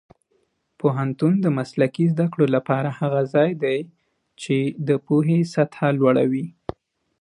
پوهنتون د مسلکي زده کړو لپاره هغه ځای دی چې د پوهې سطح لوړوي.